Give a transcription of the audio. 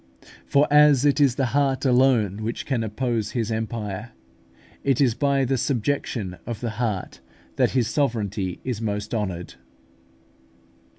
For as it is the heart alone which can oppose His empire, it is by the subjection of the heart that His sovereignty is most honoured.